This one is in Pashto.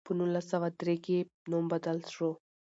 په نولس سوه درې کې یې نوم بدل شو.